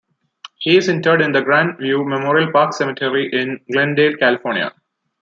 He is interred in the Grand View Memorial Park Cemetery in Glendale, California.